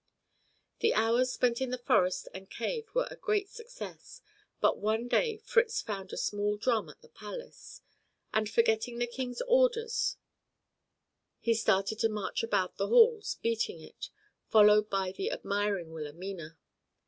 The hours spent in the forest and cave were a great success, but one day Fritz found a small drum at the palace, and forgetting the King's orders he started to march about the halls beating it, followed by the admiring Wilhelmina.